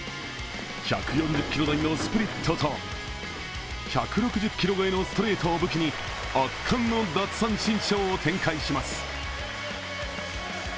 １４０キロ台のスプリットと１６０キロ超えのストレートを武器に圧巻の奪三振ショーを展開します。